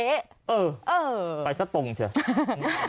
เออไปซะตรงเชียว